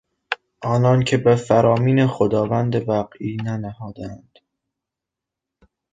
آنان که به فرامین خداوند وقعی ننهادند...